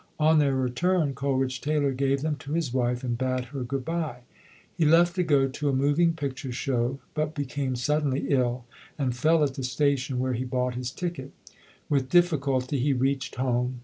On their return Coleridge Taylor gave them to his wife and bade her good bye. He left to go to a moving picture show but became suddenly ill, and fell at the station where he bought his ticket. With difficulty he reached home.